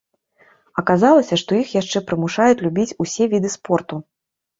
Аказалася, што іх яшчэ прымушаюць любіць усе віды спорту.